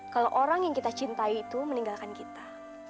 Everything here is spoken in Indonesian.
kalau orang yang kita cintai itu meninggalkan kita